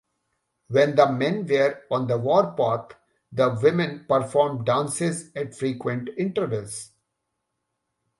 When the men were on the warpath, the women performed dances at frequent intervals.